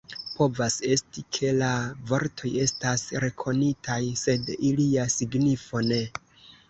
Povas esti, ke la vortoj estas rekonitaj, sed ilia signifo ne.